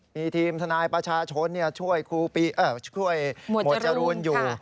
มีทีมทนายประชาชนช่วยหมวดจรูนอยู่